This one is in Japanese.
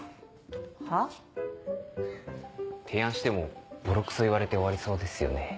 は？提案してもボロクソ言われて終わりそうですよね。